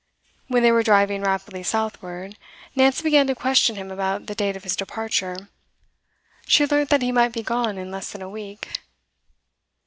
When they were driving rapidly southward, Nancy began to question him about the date of his departure; she learnt that he might be gone in less than a week.